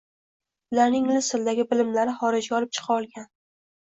Ularni ingliz tilidagi bilimlari xorijga olib chiqa olgan